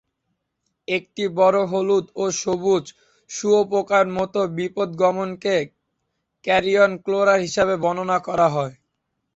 একটি বড় হলুদ ও সবুজ শুঁয়োপোকার মতো বিপথগমনকে ক্যারিয়ন ক্রলার হিসেবে বর্ণনা করা হয়।